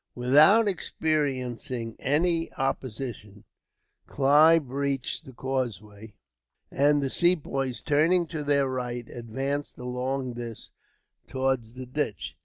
Without experiencing any opposition Clive reached the causeway, and the Sepoys, turning to their right, advanced along this towards the ditch.